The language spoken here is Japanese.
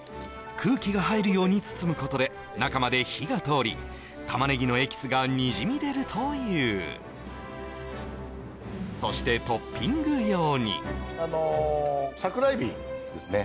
空気が入るように包むことで中まで火が通り玉ねぎのエキスがにじみ出るというそしてトッピング用にあのサクラエビですね